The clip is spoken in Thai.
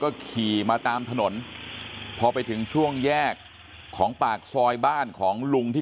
ก็ขี่มาตามถนนพอไปถึงช่วงแยกของปากซอยบ้านของลุงที่